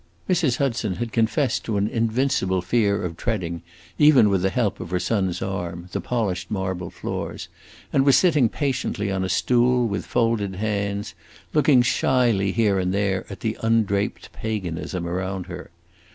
Mrs. Hudson had confessed to an invincible fear of treading, even with the help of her son's arm, the polished marble floors, and was sitting patiently on a stool, with folded hands, looking shyly, here and there, at the undraped paganism around her.